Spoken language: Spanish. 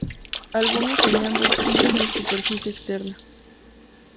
Algunos tenían dos quillas en su superficie externa.